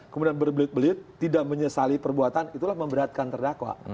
kemudian berbelit belit tidak menyesali perbuatan itulah memberatkan terdakwa